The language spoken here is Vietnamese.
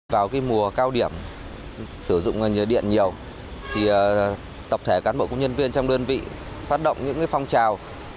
vào mùa cao điểm sử dụng điện nhiều tập thể cán bộ công nhân viên trong đơn vị phát động những phong trào